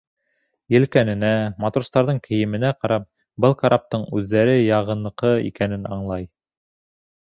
Елкәненә, матростарҙың кейеменә ҡарап, был караптың үҙҙәре яғыныҡы икәнен аңлай.